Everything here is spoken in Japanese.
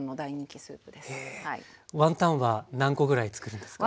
ワンタンは何個ぐらいつくるんですか？